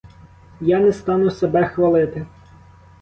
Я не стану себе хвалити.